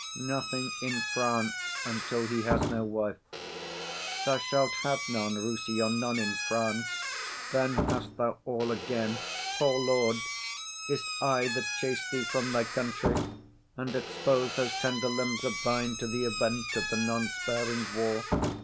Nothing in France until he has no wife! Thou shalt have none, Rossillon, none in France; Then hast thou all again. Poor lord, is't I That chase thee from thy country, and expose Those tender limbs of thine to the event Of the none sparing war?